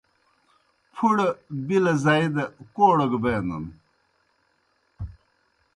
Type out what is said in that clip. پُھڑہ بِلہ زائی دہ کوڑہ گہ بینَن